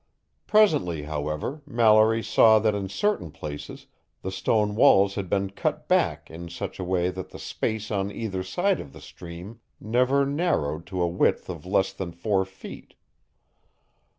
Presently, however, Mallory saw that in certain places the stone walls had been cut back in such a way that the space on either side of the stream never narrowed to a width of less than four feet.